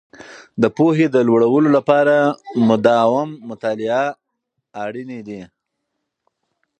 د پوهې د لوړولو لپاره مداوم مطالعه اړینې دي.